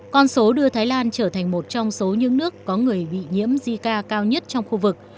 con số đưa thái lan trở thành một trong số những nước có người bị nhiễm zika cao nhất trong khu vực